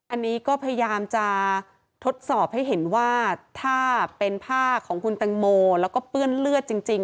อันนี้ก็พยายามจะทดสอบให้เห็นว่าถ้าเป็นผ้าของคุณตังโมแล้วก็เปื้อนเลือดจริง